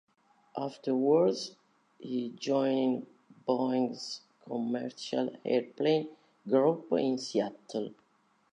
Afterwards, he joined Boeing's Commercial Airplane Group in Seattle.